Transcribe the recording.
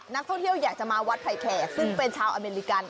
นักท่องเที่ยวอยากจะมาวัดไผ่แขกซึ่งเป็นชาวอเมริกัน